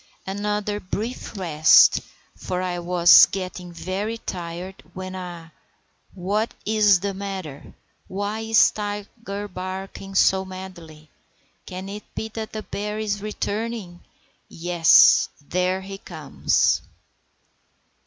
Another brief rest, for I was getting very tired, when—ah, what is the matter? Why is Tiger barking so madly? Can it be that the bear is returning? Yes, there he comes!